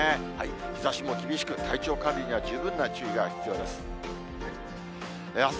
日ざしも厳しく、体調管理には十分な注意が必要です。